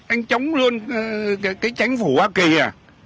anh chống luôn cái tránh phủ hoa kỳ à